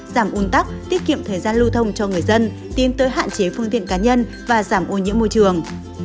giảm un tắc tiết kiệm thời gian lưu thông cho người dân tiến tới hạn chế phương tiện cá nhân và giảm ô nhiễm môi trường